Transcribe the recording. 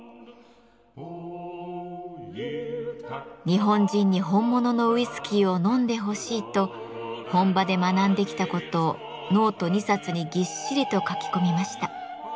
「日本人に本物のウイスキーを飲んでほしい」と本場で学んできたことをノート２冊にぎっしりと書き込みました。